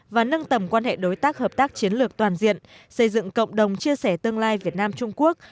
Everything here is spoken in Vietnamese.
và nâng tầm quan hệ đối tác hợp tác chiến lược toàn diện xây dựng cộng đồng chia sẻ tương lai việt nam trung quốc